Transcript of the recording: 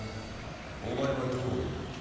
お前はどう思う？